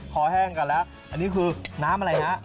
แห้งกันแล้วอันนี้คือน้ำอะไรฮะ